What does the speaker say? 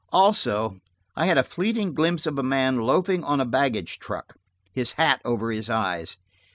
Also, I had a fleeting glimpse of a man loafing on a baggage truck, his hat over his eyes.